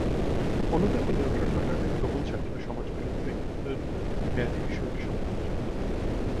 অন্যদেরকে নিয়ন্ত্রণ করার এক প্রবল চাহিদা সমাজবিরোধী ব্যক্তিত্বের ব্যাধির সঙ্গে সম্পর্কযুক্ত।